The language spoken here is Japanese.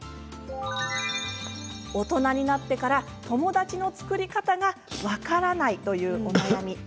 大人になってから友達の作り方が分からないというお悩み。